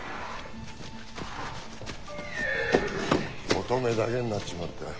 オトメだけになっちまった。